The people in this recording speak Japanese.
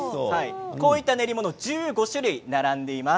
こういった練り物１５種類並んでいます。